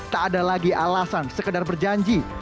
tak ada lagi alasan sekedar berjanji